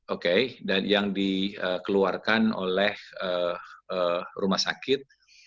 oke dan yang dikeluarkan oleh rumah sakit